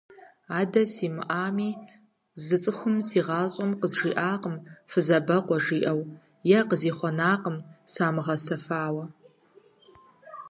Адэ симыӀами, зы цӀыхум си гъащӀэм къызжиӀакъым фызабэкъуэ жиӀэу, е къызихъуэнакъым самыгъэсэфауэ.